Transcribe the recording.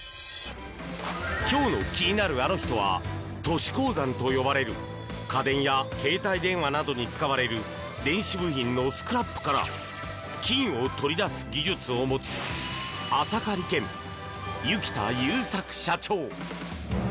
今日の気になるアノ人は都市鉱山と呼ばれる家電や携帯電話などに使われる電子部品のスクラップから金を取り出す技術を持つアサカ理研、油木田祐策社長。